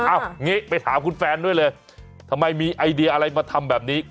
เอางี้ไปถามคุณแฟนด้วยเลยทำไมมีไอเดียอะไรมาทำแบบนี้